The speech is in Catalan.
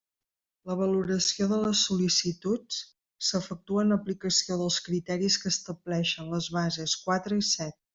La valoració de les sol·licituds s'efectua en aplicació dels criteris que estableixen les bases quatre i set.